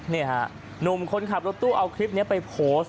นี่ฮะหนุ่มคนขับรถตู้เอาคลิปนี้ไปโพสต์